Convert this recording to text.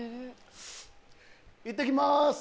いってきます。